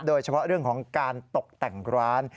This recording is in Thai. โดยเฉพาะเรื่องของการตกแต่งร้าน